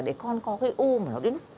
để con có cái u mà nó đến